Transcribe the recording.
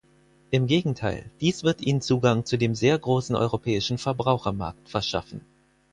Im Gegenteil, dies wird ihnen Zugang zu dem sehr großen europäischen Verbrauchermarkt verschaffen.